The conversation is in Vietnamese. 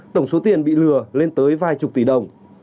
tổng số tiền bị lừa lên tới vài chục tỷ đồng